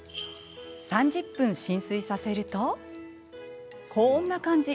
３０分浸水させるとこんな感じ。